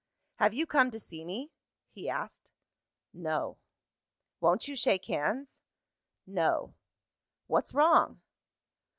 "Have you come to see me?" he asked. "No." "Won't you shake hands?" "No." "What's wrong?"